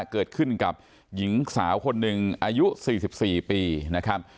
เกิดขึ้นกับหญิงสาวคนหนึ่งอายุ๔๔ปีนะครับ